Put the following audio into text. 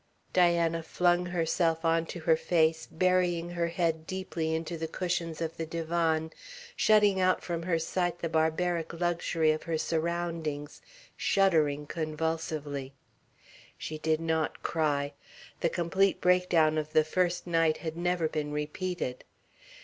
Diana flung herself on to her face, burying her head deeply into the cushions of the divan, shutting out from her sight the barbaric luxury of her surroundings, shuddering convulsively. She did not cry. The complete breakdown of the first night had never been repeated.